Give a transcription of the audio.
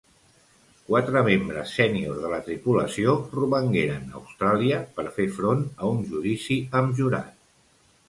Quatre membres sènior de la tripulació romangueren a Austràlia per fer front a un judici amb jurat.